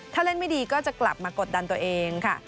ถ้าเล่นไม่ดีก็จะกลับมากดดันตัวเองค่ะ